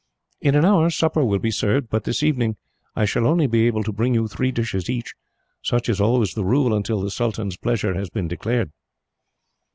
"In an hour supper will be served, but this evening I shall only be able to bring you three dishes each. Such is always the rule, until the sultan's pleasure has been declared."